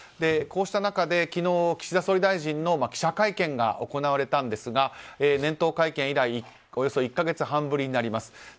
こうした中で昨日岸田総理大臣の記者会見が行われたんですが年頭会見以来１か月半ぶりになります。